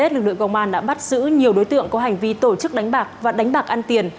lực lượng công an đã bắt giữ nhiều đối tượng có hành vi tổ chức đánh bạc và đánh bạc ăn tiền